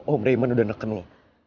om raymond udah neken lo